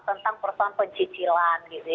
tentang persoalan pencicilan